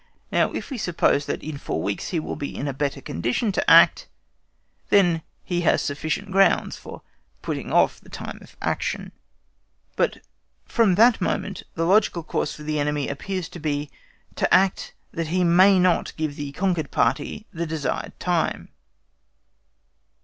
Now, if we suppose that in four weeks he will be in a better condition to act, then he has sufficient grounds for putting off the time of action. But from that moment the logical course for the enemy appears to be to act that he may not give the conquered party THE DESIRED time.